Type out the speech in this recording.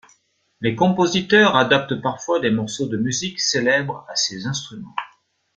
Les compositeurs adaptent parfois des morceaux de musique célèbres à ces instruments.